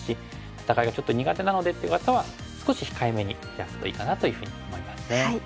戦いがちょっと苦手なのでっていう方は少し控えめにヒラくといいかなというふうに思いますね。